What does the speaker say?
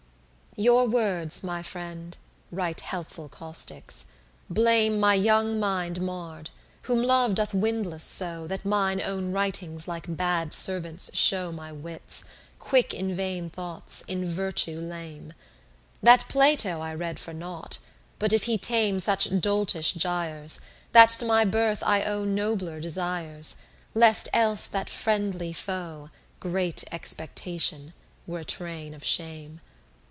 21 Your words, my firend, (right healthful caustics) blame My young mind marr'd, whom Love doth windlass so, That mine own writings like bad servants show My wits, quick in vain thoughts, in virtue lame; That Plato I read for nought, but if he tame Such doltish gyres; that to my birth I owe Nobler desires, lest else that friendly foe, Great Expectation, were a train of shame.